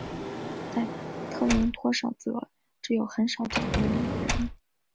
在特伦托省则只有很少讲德语的人。